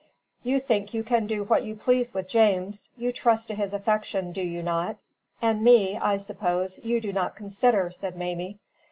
"You think you can do what you please with James; you trust to his affection, do you not? And me, I suppose, you do not consider," said Mamie.